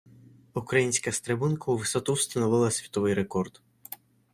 Українська стрибунка у висоту встановила світовий рекорд.